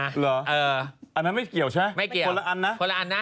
เหรออันนั้นไม่เกี่ยวใช่ไหมคนละอันน่ะ